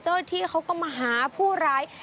เจ้าหน้าที่เขาก็มาหาผู้ร้าย